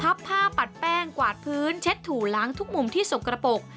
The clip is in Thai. ผ้าปัดแป้งกวาดพื้นเช็ดถู่ล้างทุกมุมที่สกระปก